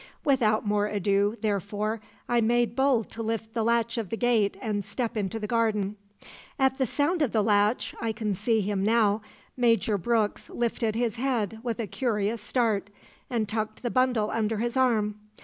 Without more ado, therefore, I made bold to lift the latch of the gate and step into the garden. "At the sound of the latch I can see him now Major Brooks lifted his head with a curious start, and tucked the bundle under his arm.